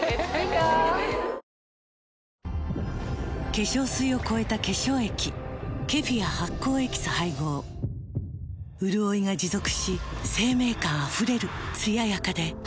化粧水を超えた化粧液ケフィア発酵エキス配合うるおいが持続し生命感あふれるつややかで彩やかな